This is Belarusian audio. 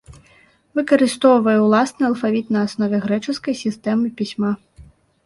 Выкарыстоўвае уласны алфавіт на аснове грэчаскай сістэмы пісьма.